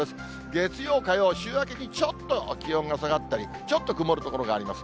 月曜、火曜、週明けにちょっと気温が下がったり、ちょっと曇る所があります。